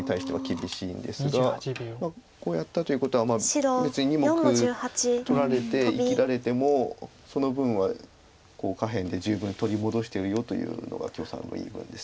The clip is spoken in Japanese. こうやったということは別に２目取られて生きられてもその分は下辺で十分取り戻してるよというのが許さんの言い分です。